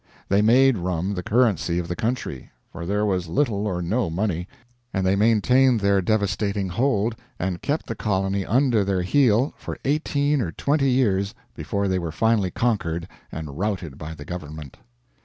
They made rum the currency of the country for there was little or no money and they maintained their devastating hold and kept the colony under their heel for eighteen or twenty years before they were finally conquered and routed by the government.